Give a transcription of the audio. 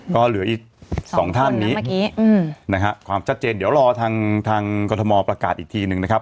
ก็เหลืออีก๒ท่านนี้ความชัดเจนเดี๋ยวรอทางกรรมมอล์ประกาศอีกทีนึงนะครับ